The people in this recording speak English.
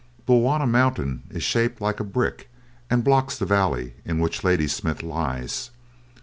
Bulwana Mountain is shaped like a brick and blocks the valley in which Ladysmith lies.